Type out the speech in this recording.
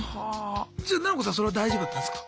じゃあななこさんそれは大丈夫だったんすか？